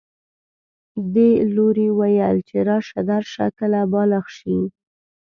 دې لوري ویل چې راشه درشه کله بالغ شي